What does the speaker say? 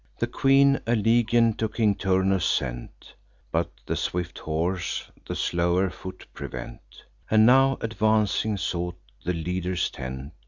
The queen a legion to King Turnus sent; But the swift horse the slower foot prevent, And now, advancing, sought the leader's tent.